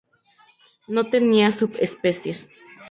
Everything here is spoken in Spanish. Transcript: No tenía subespecies.